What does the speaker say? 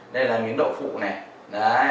đây là miếng đậu phụ này